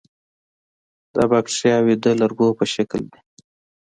دا باکتریاوې د لرګو په شکل دي.